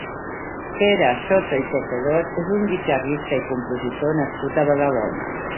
Pere Soto i Tejedor és un guitarrista i compositor nascut a Badalona.